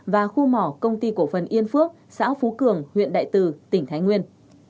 và khu mỏ công ty cổ phần yên phước xã phú cường huyện đại từ tỉnh thái nguyên